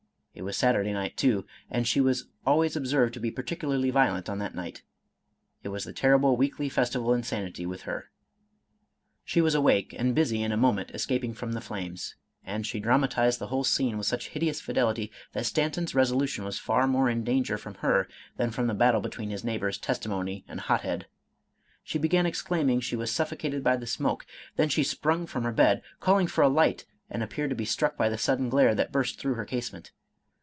It was Saturday night too, and she was always observed to be particularly violent on that night, — ^it was the terrible weekly festival of insanity with her. She was awake, and busy in a moment escaping from the flames ; and she dramatized the whole scene with such hideous fidelity, that Stanton's resolution was far more 191 Irish Mystery Stories in danger from her than from the battle between his neigh bors Testimony and Hothead. She began exclaiming she was suffocated by the smoke; then she sprung from her bed, calling for a light, and appeared to be struck by the sudden glare that burst through her casement.